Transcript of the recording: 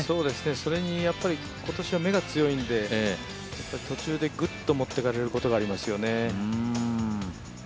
それに今年は芽が強いのでやっぱり途中でぐっと持ってかれることがありますよね。